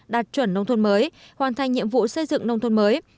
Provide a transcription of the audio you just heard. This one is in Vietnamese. đạt chuẩn đồng thuận mới hoàn thành nhiệm vụ xây dựng đồng thuận mới